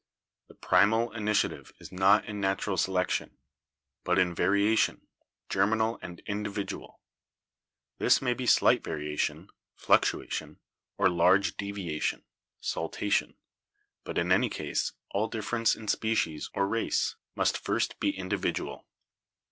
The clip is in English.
The primal initiative is not in natural selection, but in variation — germinal and indi vidual. This may be slight variation (fluctuation) or large deviation (saltation), but in any case, all difference in species or race must first be individual.